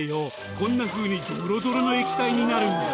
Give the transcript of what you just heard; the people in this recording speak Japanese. こんなふうにどろどろの液体になるんだ。